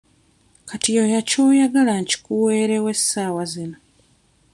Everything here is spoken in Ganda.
Kati yoya ky'oyoya nkikuweerewo essaawa zino.